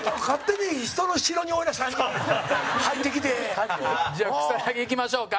陣内：じゃあ草薙いきましょうか。